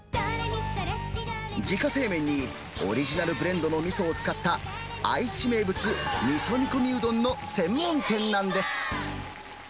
自家製麺にオリジナルブレンドのみそを使った、愛知名物、みそ煮込みうどんの専門店なんです。